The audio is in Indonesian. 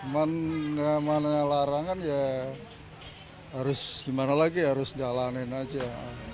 yang mana mana yang larangan ya harus gimana lagi ya harus jalanin aja